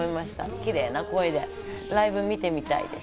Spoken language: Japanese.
キレイな声でライブ見てみたいです。